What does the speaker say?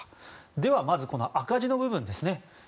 では、まずこの赤字の部分ですね。